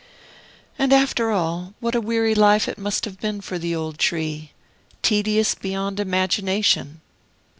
And, after all, what a weary life it must have been for the old tree! Tedious beyond imagination!